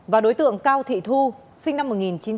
và đối tượng cao thị thu sinh năm một nghìn chín trăm tám mươi